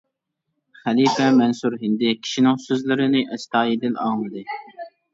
خەلىپە مەنسۇر ھىندى كىشىنىڭ سۆزلىرىنى ئەستايىدىل ئاڭلىدى.